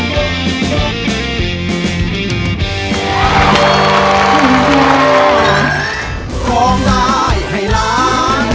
ร้องได้ให้ล้าน